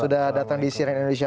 sudah datang di siren indonesia